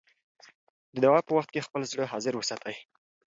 د دعا په وخت کې خپل زړه حاضر وساتئ.